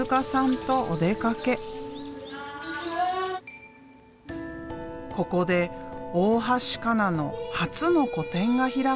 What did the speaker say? ここで大橋加奈の初の個展が開かれている。